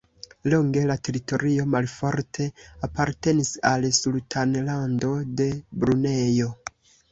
Longe la teritorio malforte apartenis al Sultanlando de Brunejo.